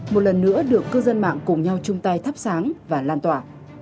một lần nữa được cư dân mạng cùng nhau chung tay thắp sáng và lan tỏa